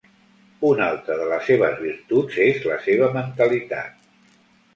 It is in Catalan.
Una altra de les seves virtuts és la seva mentalitat.